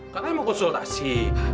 kan saya mau konsultasi